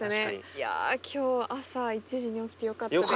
いや今日朝１時に起きてよかったです。